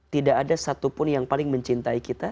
tidak ada satupun yang paling mencintai kita